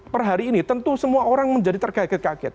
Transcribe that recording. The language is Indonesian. per hari ini tentu semua orang menjadi terkaget kaget